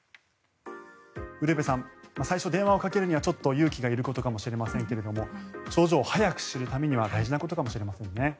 ウルヴェさん最初、電話をかけるにはちょっと勇気がいることかもしれませんけども症状を早く知るには大事なことかもしれませんね。